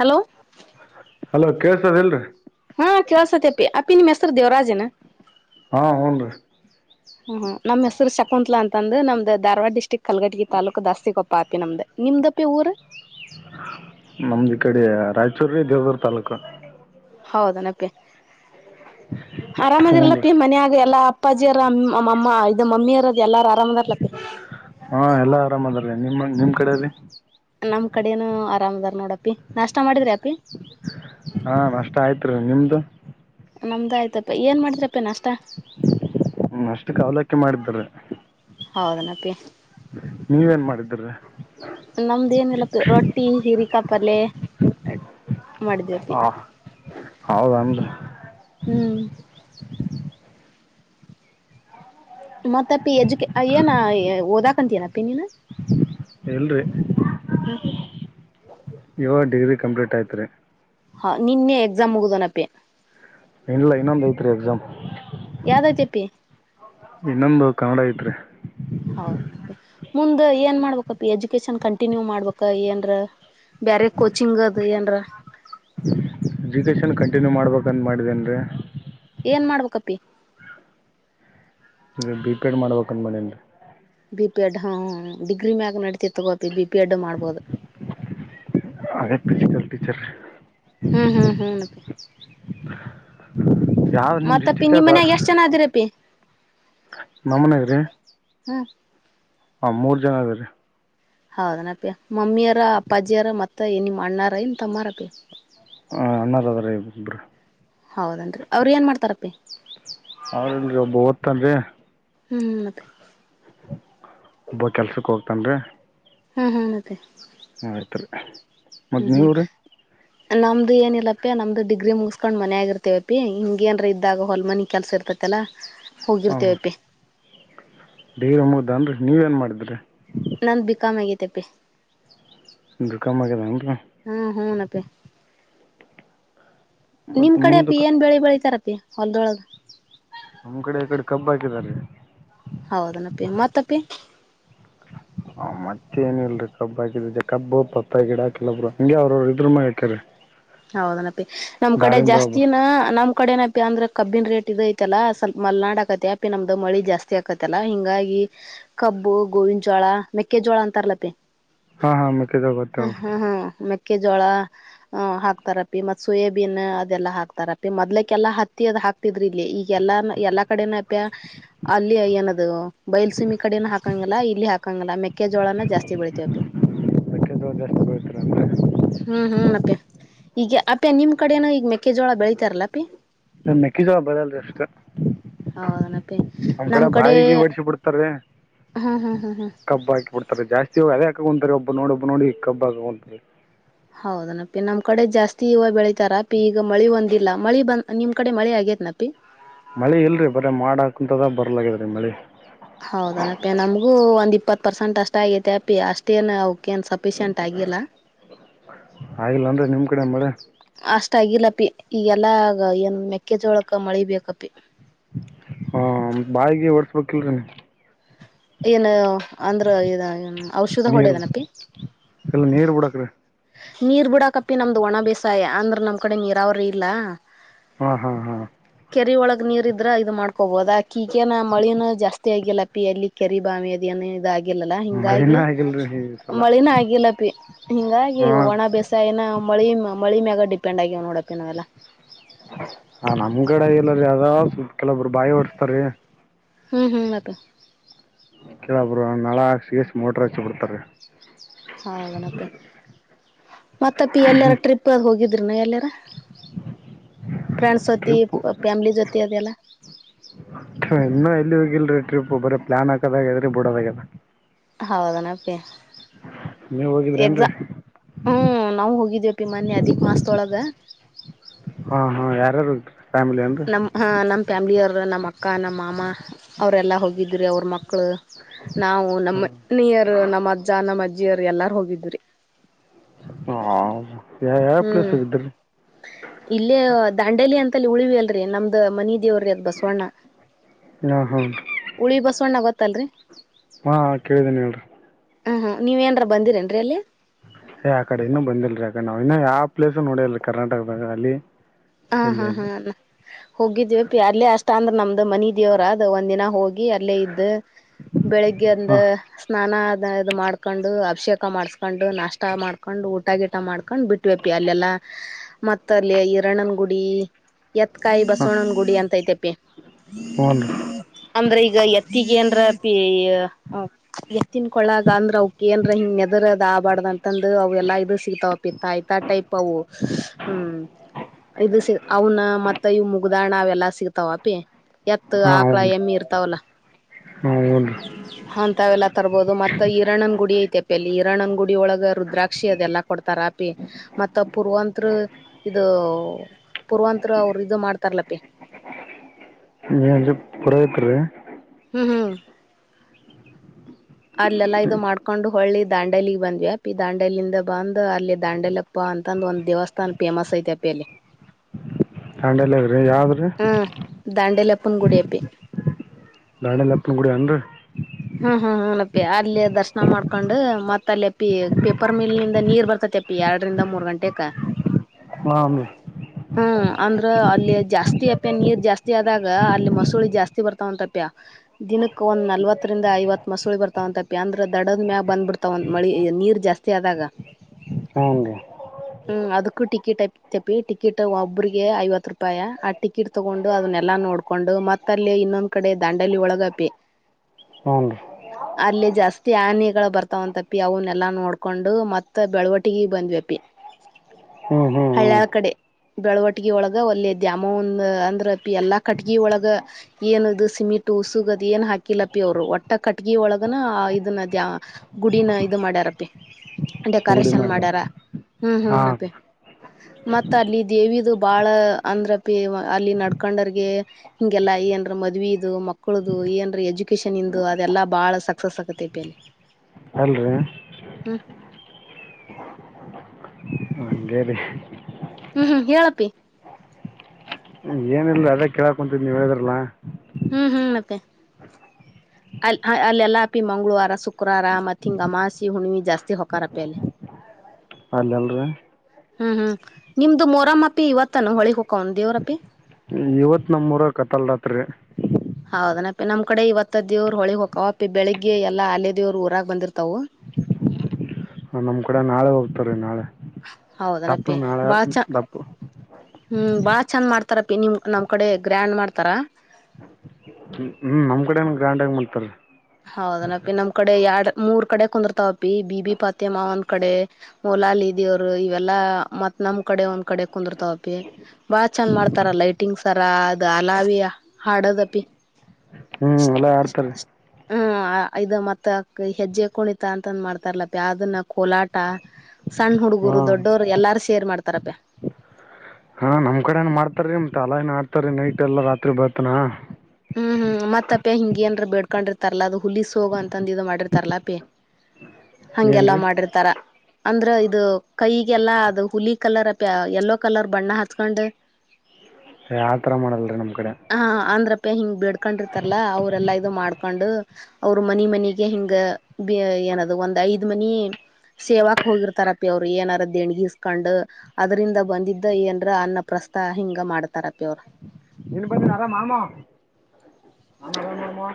hello hello ಕೇಸದ್ ಇಲ್ರರಿ ಪಿ ಮ್ರ್ ದೇವರಾಜೇನೆ ಹಾಂ ಹ್ಞೂ ರೀ ಹ ನಮ್ಮ ಹೆಸರು ಶಕುತ್ಲಾ ಅಂತಂದ್ರ ನಮ್ದ ಧಾರವಾಡ ಡಿಸ್ಟಿಕ್ ಕಲ್ಗಟಗಿ ತಾಲೂಕು ದಾಸ್ತಿ ಕೊೊ ಪಾಪಿ ನಮ್ದ ನಿಮ್ದಪ್ಪಿ ಊರ ನಮ್ದ ಈ ಕಡೆ ರಾಯಚೂರು ದೇವದ ತಾಲೂಕು ಹೌದ ನಪೆ ಹ್ಞೂ ರೀ ಆರಾಮಾಗಿರ್ಲ್ಲಪ್ಪ ಮನ ಆಾಗ ಎಲ್ಲಾ ಅಪ್ಪಾಜಿಯರ ಅಮ್ಮ ಇದ ಮಮ್ಮಿಯರ ಎಲ್ಲಾರು ಆರಾಮದರ್ಲತಿ ನಿಮ್ ಕಡೆ ಅಲ್ಲಿ ನಮ್ ಕಡನು ಆರಾಮದಾರ್ ನೋಡಪಿ ನಾಷ್ಟ ಮಾಡಿದ್ರೆ ಹಾ ನಷ್ಟ ಆಯ್ತ್ರಿ ನಿಮ್ದು ನಮ್ದುಯ್ತಪ್ಪ ಏನು ಮಾಡಿದ್ರಪ್ಪ ನ ನಷ್ಟ ಹ ಅಷ್ಟುಕೆ ಅವಲಕ್ಕೆ ಮಾಡಿದಿದ್ದಾರೆ [unintelligible] ಹೌದನಪ್ಪಿ ನೀವೇನ್ ಮಾಡಿದ್ದರಿ ನಮ್ದೇಏನ್ಲ್ಲಪ್ಪ ರೊಟ್ಟಿ ಹೀರಿಕಾಪಲೆೆ [unintelligible] ಮಾಡಿದವಿಪಿ ಹಾಂ ಹೌದನ್ರಿ ಹ್ಮ್ ಮತ್ತಪ್ಪಿ ಎಜು [unintelligible] ಏನ ಓದಾಕಂತ ನಪ್ಪಿ ನೀನು ಎಲ್ರಿ ಹಾ ಇವಗ ಡಿಗ್ರಿ ಕಂಪ್ಲೀಟ್ ಆಯತ್ರಿ ಹಾ ನಿನ್ನೆ ಎಕ್ಸಾಮ್ ಮುಗುದನಪ್ಪೆ ಇನ್ಲ್ಲ ಇನ್ನೊಂದು ಐತ್ರಿ ಎಕ್ಸಾಮ್ ಯ್ದಾಗ್ತಪ್ಪಿ ಇನ್ನೊಂದು ಕನ್ನಡ ಐತ್ ಹೌದ ಮುಂದ್ ಏನ್ ಮಾಡ್ಬೇಕಪ್ಪ ಎಜುಕೇಶನ್ ಕಂಟಿನ್ಯೂ ಮಾಡ್ಬ ಏನ್ರ ಬೇರೆ ಕೋಚಿಂಗ ಅದು [unintelligible] [unintelligible] ಎಜುಕೇಷನ್ ಕಂಟಿನ್ಯೂ ಮಾಡ್ಬೇಕಂತ ಮಾಡಿದ್ದೇನ್ ರೀ ಏನ್ ಮಾಡ್ಬೇಕಪ್ಪಿ ಇದು ಬಿಪೇಡ್ ಮಾಡ್ಬೇಕಂದ ಮಾಡಿದಿನಿ ರೀ ಬಿ ಪಿ ಎಡ್ ಹ ಡಿಗ್ರಿ ಮ್ಯಾಗ ನಡೀತೈತಿ ತಗೋ ಬಿ ಪಿ ಎಡ್ ಮಾಡ್ಬೋದು ಹಾಗ ಫಿಸಿಕಲ್ ಟೀಚರ್ ಹ್ಮ್ ಹ್ಮ್ ಹ್ಮ್ [unintelligible] ಯಾವ್ದ ನಿಮ್ ಡಿಸ್ಟಿಕ್ ಅದ ಮನ್ಯಾಗ ಎಷ್ಟ್ [unintelligible] ಜನ ಅದಿರಪ್ಪಿ ನಮ್ಮನಾಗ್ರೀ ಹ್ಮ್ ಹ ಮೂರ್ ಜನ ಅದ ರೀ ಹೌದನಪ್ಪ ಮಮ್ಮಿಯಾರ ಅಪ್ಪಾಜಿಯರ ಮತ್ತ ನಮ್ಮ್ ಅಣ್ಣಾರ ಇನ್ ತಮ್ಮಾರಪಿ ಹಾ ಅಣ್ಣಾರ [unintelligible] ಅದಾರ ಇಬ್ರು ಹೌದೇನ್ರಿ ಅವ್ರ ಏನ್ ಮಾಡ್ತಾರಪ್ಪಿ ಅವ್ರಲ್ರಿ ಒಬ್ಬ ಓದತ್ತನ್ರಿ ಹ್ಮ್ ಅತ್ತೇ [unintelligible] ಒಬ್ಬ ಕೆಲ್ಸಕ್ ಹೋಗ್ತನ್ರಿ ಹ್ಮ್ ಹ್ಮ ಮತ್ತೆ [unintelligible] ಹ ಆಯ್ತ್ ರೀ ಮದ್ ಹ್ಮ್ ನೀವ್ರೀ ನಮ್ದು ಏನಿಲ್ಲಪ್ಪಿ ನಮ್ದು ಡಿಗ್ರಿ ಮುಗಸ್ಕೊಂಡ್ ಮನ್ ಆಗಿರ್ತವಪಿ ಹಿಂಗ ಏನ್ರ ಇದಾಗ ಹೊಲ್ ಮನಿ ಕೆಲ್ಸ ಇರ್ತತಿ [unintelligible] ಆತ್ತಲ್ಲ ಹೋಗಿರ್ತೇವಪಿ ಡೇರ ಮುದ ಅನ್ರಿ ನೀವ ಏನ್ ಮಾಡಿದ್ರಿ ನನ್ ಬಿಕಾಂ ಆಗತೆಪ್ಪಿ ಬಿಕಾಂ ಮಾಡಾಗಂತ ಪೆ [unintelligible] ಮತ್ತು ನಿಮ್ ಕಡೆ ಅಪಿ ಮುಂದಕ್ಕೆ ಏನ್ ಬೆಳಿ ಬೆಳಿತಾರಪೀ ಹೊಲ್ದೊಳಗ ನಮ್ ಕಡೆ [unintelligible] ಕಡೆ ಕಬ್ ಹಾಕಿದ್ದಾರೆ ಹೌದನಪ್ಪಿ ಮತ್ತಪ್ಪಿ ಹ ಮತ್ತೆ ಏನಲ್ರರಿ ಕಬ್ಬ ಹಾಕಿದ ಜ ಕಬ್ಬ ಬಾತ [unintelligible] ಗಿಡಾಕಲ್ಲೊಬ್ರು ಹಂಗೆ ಅವ್ರರು ಇದ್ರ ಹಾಕ್ಯಾರರಿ ಹೌದನಪಿ ನಮ್ ಕಡೆ ಒಬ್ಬ ಜಾಸ್ತಿನ ನಮ್ [unintelligible] ಕಡೆನ ಅ ಅಂದ್ರೆ ಕಬ್ಬಿನ ರೇಟ್ ಇದ ಐತಲ್ಲ ಸ್ಲ್ ಮಲ್ನಾಡ ಆಕತ್ತ ಅಪ ನಮ್ದ ಮಳಿ ಜಾಸ್ತಿ ಆಕತತ್ತಲ್ಲಾ ಹಿಂಗಾಗಿ ಕಬ್ಬು ಗೋವಿನ ಜೋಳ ಮೆಕ್ಕೆಜೋಳ ಅಂತಾರಲಪೆ ಹಾಂ ಹಾಂ ಮೆಕ್ಕೆಜೋಳ ಹ ಗೊತ್ತೇವೆ ಹ್ಮ ಹ್ಮ ಮೆಕ್ಕೆ ಜೋಳ ಹ ಹಾ ಹಾಕ್ತಾರಪಿ ಮತ್ ಸೋಯಬೀನ್ ಅದೆಲ್ಲ ಹಾಕ್ತಾರ ಪಿ ಮದ್ಕಲ್ಲಾ ಹತ್ತಿ ಅ ಹಾಕ್ತಿದ್ರಿ ಇಲ್ಲಿ ಈಗ [unintelligible] ಎಲ್ಲ ಎಲ್ಲಾ ಕಡೆನ ಅಲ್ಲಿ ಏನದು ಬೈಲ್ಸುಮಿ ಕಡೆನ ಹಾಕಂಗಲ್ಲ ಇಲ್ಲಿ ಹಾಕಂಗಲ್ಲ ಮೆಕ್ಕೆಜೋಳನ ಜಾಸ್ತಿ ಬೆಳಿತೀವಿ [unintelligible] ಮೆಕ್ಕೆಜೋಳ ಜಾಸ್ತಿ ಬೆಳಿತಾರೆ ಅಂದರೆ ಹ್ಮ್ ಹ್ಮ್ ಅಪೆ ಈಗ ಅಪೀ ನಿಮ್ ಕಡೇನನು ಈಗ ಮೆಕ್ಕೆಜೋಳ ಬೆಳಿತಾರಲ್ಲ ಅಪಿ ಸ ಮೆಕ್ಕಿ ಜವಾ ಬದಲ್ರಿ ಅಷ್ಟ ಹೌದನಪ್ಪಿ ನಮ್ ಕಡೆ ಬಾಯಿಗೆ ಹೊಡಸ ಬಿಡ್ತಾರೀ ಹ್ಮ್ ಹ್ಮ್ ಹ್ಮ್ ಹ್ಮ್ ಕಬ್ಬ ಹಾಕಿಬ ಬಿಡ್ತಾರೆ ಜಾಸ್ತಿ ಹೋಗಿ ಅದೇ ಹಾಕೊಂತಾರೆ ಒಬ್ಬ ನೋಡ ಒಬ್ಬ ನೋಡಿ ಕಬ್ಬ ಹಾಕೊಂತಾರೆ ಹೌದನಪ್ಪ ನಮ್ ಕಡೆ ಜಾಸ್ತಿ ಇವ ಬೆಳಿತಾರ ಅ ಪ ಈಗ ಮಳಿ ಒಂದಿಲ್ಲ ಮಳಿ ಬಂದ ನಿಮ್ ಕಡೆ ಮಳೆ ಆಗ ನಿ ಮಳಿ ಇಲ್ರಿ ಬರೀ ಮಾಡಾಕಂತದ ಬರ್ಲೇ್ರೀ ಮಳಿ ಹೌದನಪ್ಪಿ ನಮಗೂ ಒಂದ್ ಇಪ್ಪತ್ ಪರ್ಸೆಂಟ್ ಅಷ್ಟ ಆಗೇತೆ ಅಪಿ ಅಷ್ಟೇನ್ ಸಫಂಟ್ ಆಗಿಲ್ಲ ಆಗಿಲ್ಲ ಅಂದ್ರೆ ನಿಮ್ ಕಡೆ ಮಳೆ ಅಷ್ಟ ಆಗಿಲ್ಲ ಪಿ ಈಗೆಲ್ಲಗ ಏನ್ ಮೆಕ್ಕೆಜೋಳಕ ಮಳಿ ಬೇಕಪಿ ಹಾ ಬಾಯಿಗೆ ಒಡ್ಸ್ಬೇಕಕ್ಿಲ್ರೀ ಏನು ಅಂದ್ರ ಔಷಧ ನೀರ್ ಹೊಡೆದನಪಿ ಇಲ್ಲ ನೀರ್ ಬಿಡಕ್ರಿ ನೀರ್ ಬಿಡಾಕಪ್ಪಿ ನಮ್ದು ಒಣ ಬೇಸಾಯ ಅಂದ್ರ ನಮ್ ಕಡೆ ನೀರಾವ್ರ ಇಲ್ಲ ಹ್ಮ ಹಾ ಹಾ ಕೆರಿ ಒಳಗ ನೀರ್ ಇದ್ರ ಇದು ಮಾಡ್ಕೋಬಹದ ಕೀಗನ ಮಳನು ಜಾಸ್ತಿ ಆಗಿಲ್ಲ ಪಿ ಅಲ್ಲಿ ಕೆರಿ ಬಾಮಿ ಅದ ಇದಾಗಿಿಲ್ಲಲ್ಲ ಮಳಿನ ಹಿಂಗಾಗಿ ಆಗಿಲ್ರಿ ಈ ಸಲ ಮಳಿನ ಆಗಿಲ್ಲ ಪ ಹಿಂಗಾಗಿ ಹಾ ಬೇಸ ಏನ ಮಳಿ ಮಳಿ ಮ್ಯಾಗ ಡಿಪೆಂಡ್ ಆಗಿವವ ನೋಡಪ್ಪನಾವೆಲ್ಲ ಕೆಲೊಬ್ರು ಬಾಯಿ ಓಡಸ್ತಾರೆೀ ಹ್ಮ್ ಹ್ಮ್ ಮಾತು ಕೇಳಬ್್ರ ನಾಳಾ ಸಿಸ್ ಮೋಟರ್ ಹಚ್ಚಿ ಬಿಡ್ತಾರೀ ಹೌದನಪ್ಪ ಮತ್ತಪ ಎಲ್ಲಾರ ಟ್ರಿಪ್ ಹೋಗಿದ್ರನು ಎಲ್ಲಾರ ಫ್ರೆಂಡ್ಸ್ ಜೊತಿ ಫ್ಯಾಮಿಲಿ ಜೊತೆ ಅದೆಲ್ಲ ಇನ್ನು ಎಲ್ಲಿ ಹೋಗಿಲ್ರರಿ ಟ್ರಿಪ್ ಬರ ಪ್ಲಾನ್ ಹಾಕದಾಗದ್ರರಿ ಬಿಡೋದಾಗ್ಯದ ಹೌದನಪ್ಪಿ ನೀವ್ ಎಕ್ಸಾ ಹೋಗಿದ್ರೇನ್ರಿ ಹ್ಮ್ ನಾವು ಹೋಗಿದ್ದೇಪ್ಪಿ ಮನ್ನಿ ಅದಿಕ್ ಮಾಸದೊಳಗ ಹಾ ಹಾ ಯಾರಾರು ನಮ್ ಹ ನಮ್ ಫ್ಯಾಮಿಲಿಿಯ ಅವರು ನಮ್ಮ್ ಅಕ್ಕ ನಮ್ಮ ಮಾಮಾ ಅವ್ರೆಲ್ಲಾ ಹೋಗಿದ್ರಿ ಅವ್ರ ಮಕ್ಳು ನಾವು ಹಾ ನಮ್ಮನಿಯರು ನಮ್ಮ ಅಜ್ಜ ನಮ್ಮ ಅಜ್ಜಿಯರು ಎಲ್ಲಾರು ಹೋಗಿದ್್ರಿ ಹಾ ಹ್ಮ್ ಇಲ್ಲೇ ದಾಂಡೇಲಿ ಅಂತಲ್ಲಿ ಉಳಿವಿ ಅಲ್ರರಿ ನಮ್ದ ಮನಿ ದೇವರು ಅದ್ ಬಸವಣ್ಣ ಹಾ ಹಾ ಹುಳಿ ಬಸವಣ್ಣ ಗೊತ್ತಲ್ರಿ ಹಾ ಕೇಳಿದ್ದೇನೆಿ ಹೇಳ್ರಿ ಹ್ಮ ಹ ನೀವ ಏನರ ಬಂದಿರೇನ್ರರಿ ಅಲ್ಲಿ ಏ ಆ ಕಡೆ ಇನ್ನುೂ ಬಂದಿಲ್ರಿ ಅಗ ನಾವ್ ಇನ್ನ ಯಾವ ಪ್ಲೇಸ್ ನೋಡಿಲ್ರಿ ಕರ್ನಾಟಕದಾಗ ಅಲ್ಲಿ ಹಾ ಇಲ್ಲಿ ಹಾ ಹಾ ಇಲ್ಲಿ ಹೋಗಿದ್ವಿ ಪಿ ಅರ್ಲ್ಲಿ ಅಷ್ಟ ಅಂದ್ರ ನಮ್ದ್ ಮನ ದೇವ್ರ ಅದ ಒಂದ್ಿನ ಹೋಗಿ ಅಲ್ಲೇ ಇದ್ದ ಬೆಳಿಗ್ಗೆ ಒಂದ ಹಾ ಸ್ನಾನ ಇದು ಮಾಡ್ಕೊಂಡು ಅಭಿಷೇಕ ಮಾಡ್ಸ್ಕೊಂಡು ನಷ್ಟ ಮಾಡ್ಕೊಂಡು ಊಟ ಗೀಟ ಮಾಡ್ಕೊಂಡ್ ಬಿಟ್ವಪಿ ಅಲ್ಲೆಲ್ಲಾ ಮತ್ತ ಅಲ್ಲಿ ಹರಣ್ಯನ್ ಗುಡಿ ಎತ್ಕಾಯಿ ಹಾ ಬಸವಣನ ಗುಡಿ ಅಂತಐತೆಪ್ಪಿ ಹ್ಞೂನ್ರಿ ಅ್ರೆ ಈಗ ಎತ್ತಿಗೆ ಅನ್ರ ಪ ಎಷ್ಟನ್ ಕೊಳಗ ಅಂದ್ರ ಅವ್ಕ್ ೇಏ್ರ ಹಿಂಗ್ ನದರದ ಆಬಾರ್ದ್ ಅಂತಂದ ಅವ ಎಾ ಇದು ಸಿಗ್ತಾವಪ್ಪಿತ್ತ ಆಯ್ತಾ ಟೈಪ್ ಹ್ಮ್ ಇದು ಅವನ ಮತ್ತ ಇವ್ ಮುಗ್ದಣ ಅವೆಲ್ಲಾ ಸಿಗ್ತಾವಪಿ ಎತ್ತು ಹಾ ಆಕಳ ಹ್ಞೂನ್ರಿ ಎಮ್ಮಿ ಇರ್ತಾವಲ್ಲ ಹಾ ಹ್ಞೂನ್ರಿ ಾವೆಲ್ಲ ತರಬಹದು ಮತ್ತೆ ಈರಣನ್ ಗುಡಿಐ ಪ ಅಲ್ಲಿ ಇರಣನ್ ಗುಡಿ ಒಳಗ ರುದ್ರಾಕ್ಷಿ ಅದೆಲ್ಲಾ ಕೊಡ್ತಾರ ಆಪಿ ಮತ್ತ ಪುರ್ವತ್ ಅದು ಪೂರ್ವಂತರು ಅವರು ಇ ಮಾಡ್ತಾರ್ಲಪಿ ನೀಜ ಪುರತ್ರ ರ ಹ್ಮ್ ಹ್ಮ್ ಅಲ್ಲೆಲ್ಲಾ ಇದು ಮಾಡ್ಕೊಂಡು ಹೊಳ್ಳಿ ದಾಂಡೆಲಿಗ್ ಬಂದ್ವಿ ಅಪ್ಪಿ ದಾಂಡಲಂದ ಬಂದ್ ಅಲ್ಲಿ ದಾಂಡೆಲಪ್ಪ ಅ ಅಂತಂದು ಒಂದ ದೇವಸ್ಥಾನ ಫೇಮಸ್ ಐತೆ ಅಪ್ಪ ಅಲ್ಲಿ ದಾಂಡೇಲಗ್ರಿ ಯಾವ್ದ್ರೀ ಹಪ್ಪನ್ ಗುಡಿಯಪ್ಪಿ ನಡಲ್ಲಪ್ಪನ್ ಗೂಡಿ ಅನ್ರಿ ಹ್ಮ್ ಹ್ಮ್ ಹ್ಮ ಅಪ್ಪಿ ಅಲ್ಲಿ ದರ್ಶನ ಮಾಡ್ಕೊಂಡು ಮತ್ ಅಲ್ಲಿ ಅಪ್ಪಿ ಪೇಪರ್ ಮಿಲ್ಂದ ನೀರ್ ಬರ್ತತಿ ಅಪ್ಪಿ ಎರಡರಿಂದ ಮೂರು ಗಂಟೆಕ್ಕ ಹಾ ಅಮ್ಮಿ ಹ್ಮ್ ಅಂದ್ರ ಅಲ್ಲಿ ಜಾಸ್ತಿ ಅಪ್ಯ ನೀರ್ ಜಾಸ್ತಿ ಆದಾಗ ಅಲ್ಲಿ ಮಸೂಳೆ ಜಾಸ್ತಿ ಬರ್ತಾವಂತಪ್ಯ ದಿನಕ್ಕ ಒಂದ್ ನಲ್ವತ್ತು ಹತ್ತರಿಂದ ಐವತ್ ಮಸೂಳಿ ಬರ್ತಾವಂತಪಿ ಅಂದ್ರೆ ದಡದ ಮ್ಯಾಗ ಬಂದ್ ಬಿಡ್ತಾವ ಮಳಿ ನೀರ್ ಜಾಸ್ತಿ ಆದಾಗ ಹಂಗೆ ಹ್ಮ್ ಅದಕ್ಕೂ ಟಿಕೆಟ್ ಐತಪಿ ಟಿಕೆಟ್ ಒಬ್ರಿಗೆ ಐವತ್ ರೂಪಾಯಿ ಆ ಟಿಕೆಟ್ ತಗೊಂಡು ಅದನ್ನೆಲ್ಲ ಎಲ್ಲ ನೋಡ್ಕೊಂಡು ಮತ್ತಲ್ಲಿ ಇನ್ನೊಂದ್ ಕಡೆ ದಂಡಲಿ ಒಳಗಪಿ ಹ್ನ್ ರೀ ಅಲ್ಲಿ ಜಾಸ್ತಿ ಆನಿಗಳು ಬರ್ತಾವಂತಪಿ ಅವನ್ನೆಲ್ಲಾ ನೋಡ್ಕೊಂಡು ಮತ್ತ ಬೆಳವಟಿಗ ಬಂದ್ವಿಪಿ ಹ್ಞೂ ಹ್ಞೂ ಹಳಳ್ ಕಡೆ ಬೆಳವಟ್ಟಗಿ ಒಳಗ ಒಲ್ಲೆ ಧ್ಯ್ಯಾಮಂದ ಅಂದ್ರ ಎಲ್ಲಾ ಕಟ್ಗಿ ಒಳಗ ಏನದು ಸಿಮಿಂ ಟೂಸು ಗದಿಯನ್ ಹಾಕಿ ಕಿಲಪಿ ಅವರು ಒಟ್ಟ ಕಟ್ಗಿ ಒಳಗನ ಇದನ್ನ ದ ಗುಡಿನ ಇದು ಮಾಡ್ಯಾರಪಿ ಗುಡಿ ಡೆಕೋರೇಶನ್ ಮಾಡ್ರಿ ಮಾಡ್ಯಾರ ಹ್ಮ್ ಹಾಂ ಹ್ಮ್ನಪೇ ಮತ್ತ ಅಲ್ಲಿ ದೇವಿದು ಬಾಳ ಅಂದ್ರ ಪಿ ಅಲ್ಲಿ ನಡ್ಕೊಂಡರ್ಗೆ ಹಿಂಗೆಲ್ಲಾ ಏನರ ಮದವಿದು ಇದು ಮಕ್ಕಳದು ಏನ್ರ ಎಜು ಎಜುಕೇಶನ್ ಇಂದು ಅದೆಲ್ಲಾ ಬಾಳ ಸಕ್ಸಸ್ ಆಗುತ್ತೆ ಪಲ್ಲಿ ಅಲ್ರಿ ಹಾ ಏರಿ ಹ್ಮ್ ಹ್ಮ್ ಹೇಳಪ್ಪಿ ಏನಿಲ್ಲ ಲೀ ಅದೇ ಕೇಳಾಕ್ ಕುಂತಿದ್ ನೀವು ಹೇಳಿದ್ರಲ್ಲಾ ಹ್ಮ್ ಹ್ಮ್ ಮತ್ತೆ ಅ ಅಲ್ಲೆಲ್ಲಾ ಅಪಿ ಮಂಗಳವಾರ ಶುಕ್ರವಾರ ಮತ್ ಹಿಂಗ ಹಮಾಸಿ ಹುಣವಿ ಜಾಸ್ತಿ ಹೂಕಾರಪ್ಪಿ ಅಲ್ಲಿ ಅಲ್ಲಿ ಅಲ್ಲರಿ ಹ್ಮ್ ಹ್ಮ್ ನಿಮ್ದು ಮೋರಮ್ಮಪ್ಪಿ ಇವತ್ತನು ಹೊಳಿ ಹೋಕವನ್ ದೇವ್ರಪ್ಪಿ ಇವತ್ತು ನಮ್ಮೂರ ಕಥಲ್ ರಾತ್ರಿ ಹೌದನಪ್ಪಿ ನಮ್ ಕಡೆ ಇವತ್ತ ದೇವ್ರ ಹೊಳಿ ಹೋಗವಪ ಬೆಳಿಗ್ಗೆ ಎಲ್ಲಾ ಅಲ್ಲೇ ದೇವ್ರರು ಊರಾಗ ಬಂದಿರ್ತವು ನಮ್ ಕೂಡೆ ನಾಳೆ ಹೋಗ್ತಾರ್ರೀ ನಾಳೆ ದಪ್ಪನ ಹೌದನಪ್ಪಿ ನಾಳೆ ಬಾಳ ಚ ದಪ್ಪು ಹ್ಮ್ ಬಾಳ ಚಂದ ಮಾಡ್ತಾರ ಪಿ ನಿಮ ನಮ್ ಕಡೆ ಗ್ರ್ಯಾಂಡ್ ಮಾಡ್ತಾರ ಹ್ಮ್ ಹ್ಮ್ ನಮ್ ಕಡೆನ ಗ್ರ್ಯಾಂಡ ಆಗಿ ಮಾಡ್ತಾರ ಹೌದನಪಿ ನಮ್ ಕಡೆ ಎರಡ್ ಮೂರ್ ಕಡೆ ಕುಂದರ್ತಾವಪಿ ಬಿ ಬಿ ಪಾತಿಮ್ಮ ಒಂದ್ ಕಡೆ ಮೊಲಾಲಿ ಇದೀವರು ಇವೆಲ್ಲಾ ಮತ್ ನಮ್ ಕಡೆ ಒಂದ್ ಕಡೆ ಕುಂದರ್ತಾವಪಿ ಬಾ ಚಂದ ಮಾಡ್ತಾರ ಲೈಟಿಂಗ್ಸ್ರ ಅದ ಅಲಾವೀ ಹಾಡದಪಿ ಹ್ಞ ಎಲ್ಲ ಆಡ್ತ್ರ ಹ್ಮ ಮತ್ತ ಹೆಜ್ಜೆ ಕುಣಿತ ಅಂತ ಮಾಡ್ತಾರಲಪಿ ಅದನ್ನ ಕೋಲಾಟ ಸಣ್ಣ ಹುಡು ಹಾ ಹಗುರು ದೊಡ್ಡೋರು ಎಲ್ಲಾರು ಸೇರ್ ಮಾಡ್ತಾರಪ್ಪ ಹಾ ನಮ್ ಕಡೆನ ಮಾಡ್ತಾರೀ ಮತ್ತ ಅಲೈನ್ ಆಡ್ತಾರ ನೈಟ್ ಎಲ್ಲ ರಾತ್ರಿ ಬತ್ನಾ ಹ್ಮ್ ಹ್ಮ್ ಮತ್ತಪ್ಪೆ ಹಿಂಗೆೇನ್ರ ಬೇಡ್ಕೊಂಡಿರ್ತಾರಲ ಅದು ಹುಲಸ್ಗೋ ಅಂತಂದ ಇದು ಮಾಡಿರ್ತಾರಲಾ ಅಪ್ಯ ಹಂಗೆಲ್ಲ ಏನ್ರಿ ಮಾಡಿರ್ತಾರ ಅಂದ್ರ ಇದು ಕೈಗೆಲ್ಲಾ ಅದು ಹುಲಿ ಕಲರ್ ಅಪಿ ಯೆಲ್ಲೋ ಕಲರ್ ಬಣ್ಣ ಹಚ್ಕೊಂಡ್ ಹ ಆತರ ಮಾಡಲ್ರಿ ನಮ್ಮ್ ಕಡೆ ಬೇಡಕೂಂಡಿತರಲ್ಲ ಅವರೆಲ್ಲ ಇದು ಮಾಡಕೂಂಡು ಅವರು ಮನಿ ಮನಿಗ ಹಿಂಗ ಏನದು ಒಂದ್ ಐದ್ ಮನಿ ಸೇವಾಕ್ ಹೋಗಿರ್ತಾರಪ್ಪಿ ಅವ್ರು ಏನಾರ ದೆಣಗಿಸಕಂಡ್ ಅದರಿಂದ ಬಂದಿದ್ದ ಏನ್ರ ಅನ್ನ ಪ್ರಸ್ ತ ಹಿಂಗ ಮಾಡ್ತಾರ ಪಿ ಅವ್ರ ಬ ನರಾಮಾಮ ಹಾಮ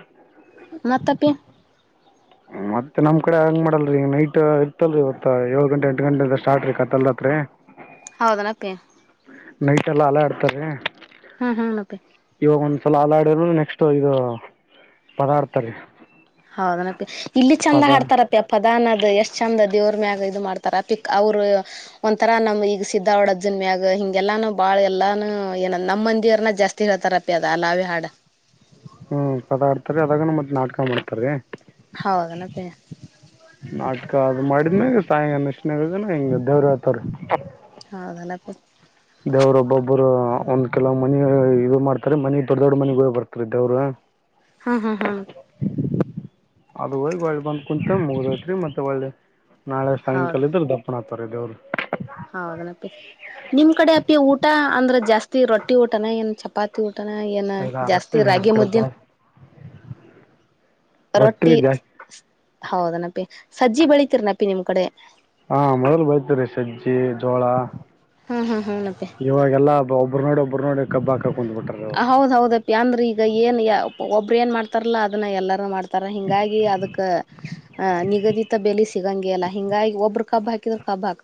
ಮಾತಪ್ಪೇ ಮತ್ತೆ ನಮ್ ಕಡೆ ಹಂಗ ಮಾಡಲ್ರಿ ನೈಟ್ ಇತ್ತಲ್ರಿ ಇವತ್ ಏಳ ಗಂಟೆ ಎಂಟು ಗಂಟೆ ಸ್ಟಾರ್ಟ ರೀ ಕತ್ತಲ್ರಾತ್ರಿ ಹೌದನಪ್ಪಿ ನೈಟ್ ಎಲ್ಲ ಅಲ ಆಡ್ತಾರೆ ಹ್ಮ್ ಹ್ಮ ಮತ್ತೆ ಸಲ ಹಾಲಾಡರ್ರು ನೆಕ್ಸ್ಟ್ ಇದು ಪದಾರ್ಥ ರೀ ಹೌದನಪ್ಪಿ ಇಲ್ಲಿ ಚಂದ ಹಾಡ್ತಾರಪಿ ಅಪ್ಪದಾನನ್ದ್ ಎಷ್ಟ್ ಚಂದ ಅ ದೇವ್ರ ಮ್ಯಾಗ ಇದು ಮಾಡ್ತಾರ ಪಿಕ್ ಅವರು ಒಂಥರ ನಮ್ ಈಗ ಸಿದ್ದ ಅವಡ್ ಅರ್ಜುನ್ ಮ್ಯಾಗ ಹಿಂಗೆಲ್ಲ ಬಾಳ ಹಾ ಎಲ್ಲಾನು ಏನ ನಮ್ಮ ಮಂದಿರನ ಜಾಸ್ತಿ ಹೇಳ್ತಾರಪಿ ಅದ ಅಲ್ಲಾವೇ ಹಾಡು ಹ್ಮ್ ಪದ ಆಡ್ತಾರ ಅದಾಗನು ಮತ್ೆ ನಾಟಕ ಮಾಡ್ತಾರೀ ಹೌದ ಮತ್ತೆ ನಾಟಕ ಅದು ಮಾಡಿದನಾಗ ಸಾಯಂಕ ನಶಿನಾಗನ ಹೆಿಂಗ ದೇವ್ರ ಆತ್ರ ಹೌದಲ್ಲಪ್ಪ ದೇವ್ರ ಒಬ್ಬೊಬ್ಬರು ಒಂದ್ ಕೆಲವ ಮನ ಇದು ಮಾಡ್ತಾರೆ ಮನಿ ದೊಡ್ಡ ದೊಡ್ ಮನಿ ಹೋಗ ಬರ್ತಾರೆ ದೇವ್ರ ಹಾ ಹಾ ಹ ಅದ ಹೋಗಿ ಒಳ್ಳೆ ಬಂದ್ ಕುಂಂತ ಮುಗ್ದತ್ರಿ ಮತ್ತೆ ಒಳ್ಳೆ ನಾಳೆ ಹೌದು ಸಾಯಂಕಾಲ ಇದ್ರೆ ದಪ್ಪನತ್ ಪಡೋಲ್ ಹೌದನಪ್ಪಿ ನಿಮ್ ಕಡೆ ಅಪ್ಪಿ ಊಟ ಅಂದ್ರ ಜಾಸ್ತಿ ರೊಟ್ಟಿ ಊಟನ ಏನ್ ಚಪಾತಿ ಊಟನ ಏನ್ ಎಲ್ಲ ಜಾಸ್ತಿ ರೊಟ್ಟಿ ನಮ್ ರಾಗಿ ಕಡೆ ಮುದ್ದನ್ ಜಾಸ್ತಿ ರೊಟ್ಟಿ ಹೌದನಪಿ ಸಜ್ಜಿ ಬೆಳಿತೀರ ನಪಿ ನಿಮ್ ಕಡೆ ಹಾ ಮೊದಲು ಬೈತರಿೀ ಸಜ್ಜಿ ಜೋಳ ಹ್ಮ್ ಹ್ಮ್ ಹ್ಮ್ ನಪ್ಪಿ ಇವಾಗೆಲ್ಲಾ ಒಬ್ರು ನೋಡಿ ಒಬ್ಬರು ನೋಡಿ ಕಬ್ಬಾ ಹೌದ್ ಹೌದಪ್ಪಿ ಅಂದ್ರ ಈಗ ಏನ್ ಒಬ್ಬ್ರ ಏನ್ ಮಾಡ್ತಾರಲ್ಲಾ ಅದನ್ನ ಎಲ್ಲಾರೂ ಮಾಡ್ತ ತರ ಹಿಂಗಾಗಿ ಅದಕ್ಕ ನಿಗದಿತ ಬೆಲೆಸ ಸಿಗಂಗೆ ಎಲ್ಲ ಹಿಂಗಾಗಿ ಒಬ್ರು ಕಬ್ಾಕ್ರ ಕಬ್ಾಕ್